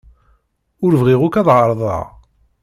Ur bɣiɣ akk ad ɛerḍeɣ.